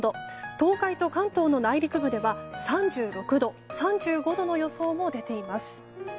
東海と関東の内陸部では３６度、３５度の予想も出ています。